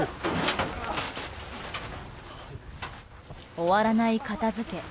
終わらない片付け。